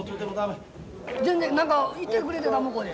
全然何か言ってくれてた向こうに。